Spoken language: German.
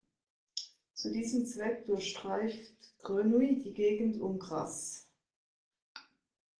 Zu diesem Zweck durchstreift Grenouille die Gegend um Grasse.